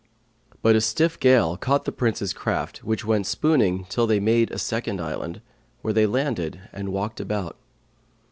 But a stiff gale caught the Prince's craft which went spooning till they made a second island, where they landed and walked about.